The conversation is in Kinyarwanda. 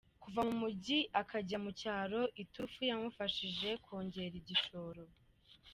Kuva mu Mujyi akajya mu Cyaro, iturufu yamufashije kongera ‘igishoro’.